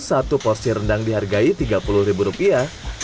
satu porsi rendang dihargai tiga puluh ribu rupiah